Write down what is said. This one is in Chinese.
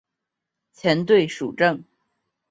前队属正。